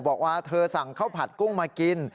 บอกว่าเธอสั่งข้าวผัดกุ้งมากิน